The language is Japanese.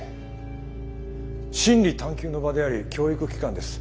真理探究の場であり教育機関です。